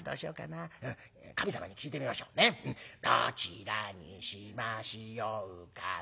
どちらにしましようかな。